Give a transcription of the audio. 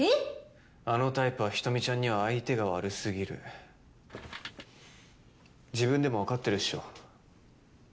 あのタイプは人見ちゃんには相手が悪すぎる自分でもわかってるっしょ？